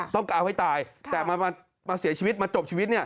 เอาให้ตายแต่มาเสียชีวิตมาจบชีวิต